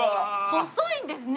細いんですね